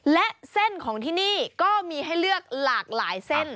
และเส้นของที่นี่ก็มีให้เลือกหลากหลายเส้น